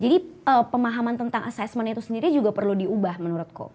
jadi pemahaman tentang assessment itu sendiri juga perlu diubah menurutku